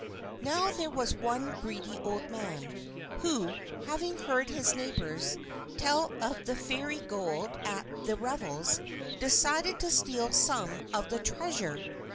Now, there was one greedy old man, who, having heard his neighbours tell of the Fairy Gold at the revels, decided to steal some of the treasure.